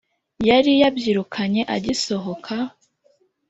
Yari yabyirukanye agisohoka